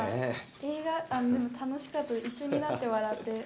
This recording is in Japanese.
映画、楽しかったです、一緒になって笑って。